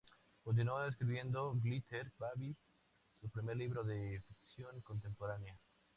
Continuó escribiendo "Glitter Baby", su primer libro de ficción contemporánea.